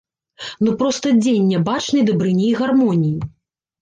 Ну проста дзень нябачанай дабрыні і гармоніі.